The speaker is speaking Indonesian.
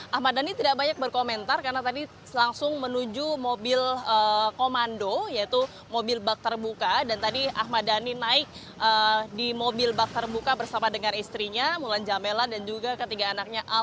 ahmad dhani tidak banyak berkomentar karena tadi langsung menuju mobil komando yaitu mobil bak terbuka dan tadi ahmad dhani naik di mobil bak terbuka bersama dengan istrinya mulan jamela dan juga ketiga anaknya al